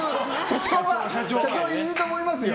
社長は言うと思いますよ。